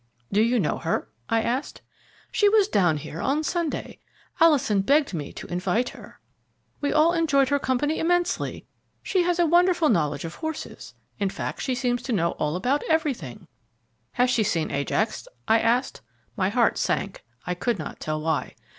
"Do you know her?" I asked. "She was down here on Sunday. Alison begged me to invite her. We all enjoyed her company immensely. She has a wonderful knowledge of horses; in fact, she seems to know all about everything." "Has she seen Ajax?" I asked. My heart sank, I could not tell why.